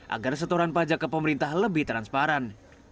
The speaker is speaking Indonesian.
agar setoran pajak ke pemerintah lebih transparan